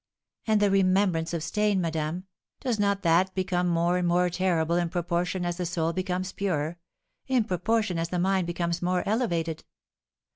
"And the remembrance of stain, madame, does not that become more and more terrible in proportion as the soul becomes purer, in proportion as the mind becomes more elevated?